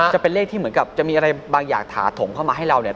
จะเป็นเลขที่เหมือนกับจะมีอะไรบางอย่างถาถมเข้ามาให้เราเนี่ย